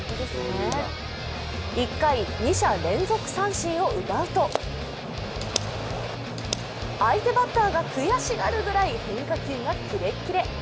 １回、二者連続三振を奪うと相手バッターが悔しがるぐらい変化球がキレッキレ。